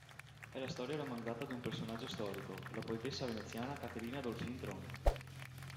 È la storia romanzata di un personaggio storico, la poetessa veneziana Caterina Dolfin Tron.